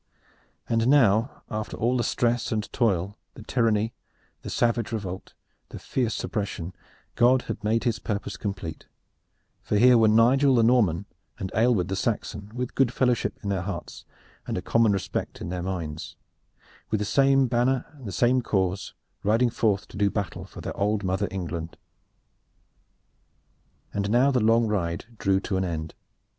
And now, after all the stress and toil, the tyranny, the savage revolt, the fierce suppression, God had made His purpose complete, for here were Nigel the Norman and Aylward the Saxon with good fellowship in their hearts and a common respect in their minds, with the same banner and the same cause, riding forth to do battle for their old mother England. And now the long ride drew to an end.